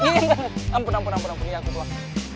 nih nanti ampun ampun ampun ya aku pulang